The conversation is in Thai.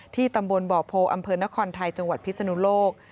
ตำบลบ่อโพอำเภอนครไทยจังหวัดพิศนุโลก